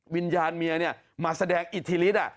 วิญญาณเมียมาแสดงอิทธิฤทธิ์